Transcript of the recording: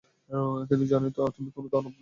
কিন্ত জানোই তো, তুমি কোনো দানব নয়।